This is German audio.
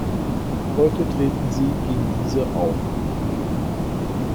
Heute treten sie gegen diese auf.